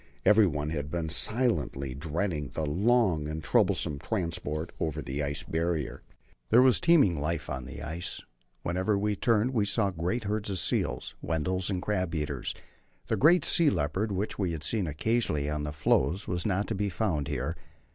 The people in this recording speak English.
Everyone had been silently dreading the long and troublesome transport over the Ice Barrier. There was teeming life on the ice. Wherever we turned we saw great herds of seals Weddells and crab eaters. The great sea leopard, which we had seen occasionally on the floes, was not to be found here.